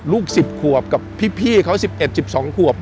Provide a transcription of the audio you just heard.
ลูก๑๐ควบกับพี่เขา๑๑๑๒ควบ